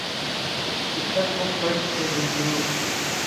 فطرت کو خرد کے روبرو